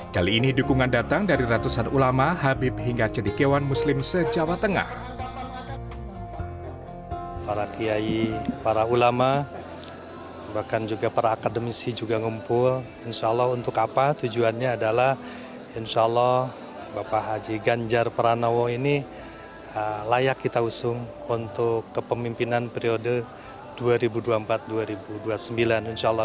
kali ini dukungan datang dari ratusan ulama habib hingga cendekiawan muslim se jawa tengah